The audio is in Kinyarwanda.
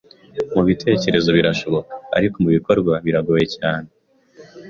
Mubitekerezo birashoboka, ariko mubikorwa biragoye cyane.